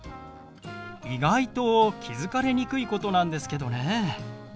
意外と気付かれにくいことなんですけどね。